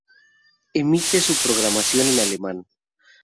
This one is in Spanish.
Emite su programación en alemán.